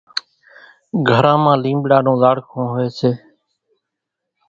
گھران مان لينٻڙا نون زاڙکون هوئيَ سي۔